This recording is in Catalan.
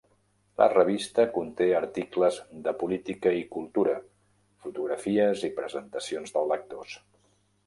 La revista conté articles de política i cultura, fotografies, i presentacions dels lectors.